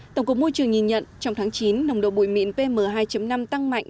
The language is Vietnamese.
tổng cục môi trường nhìn nhận trong tháng chín nồng độ bụi mịn pm hai năm tăng mạnh